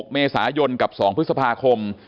๖เมษายนกับ๒พฤษภาคม